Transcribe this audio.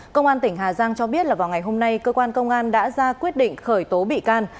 công an tỉnh hà giang cho biết là vào ngày hôm nay cơ quan công an đã ra quyết định khởi tố bị can